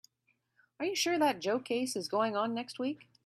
Are you sure that Joe case is going on next week?